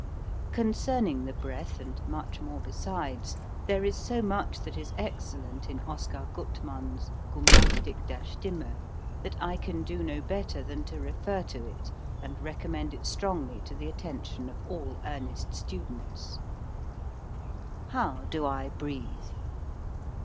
Concerning the breath and much more besides there is so much that is excellent in Oscar Guttmann's "Gymnastik der Stimme" that I can do no better than to refer to it and recommend it strongly to the attention of all earnest students. How do I breathe?